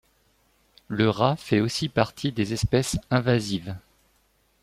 Le rat fait aussi partie des espèces invasives.